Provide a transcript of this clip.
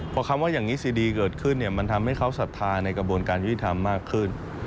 พอคำว่าอย่างนี้สิดีเกิดขึ้นเนี่ยมันทำให้เขาศรัทธาในกระบวนการยุติธรรมมากขึ้น